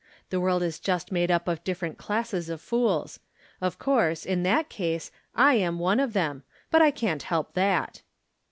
The world is just made up of different classes of fools. Of course, in that case, I am one of them ; but I can't help that.